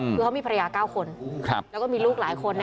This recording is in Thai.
คือเขามีภรรยา๙คนแล้วก็มีลูกหลายคนนะ